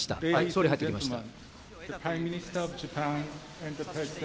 総理、入ってきました。